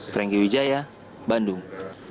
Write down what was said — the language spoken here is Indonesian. franky wijaya bandung